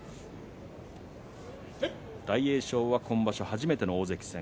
大栄翔は今場所初めての大関戦。